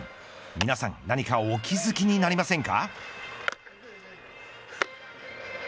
皆さん、何かお気づきになりませんか。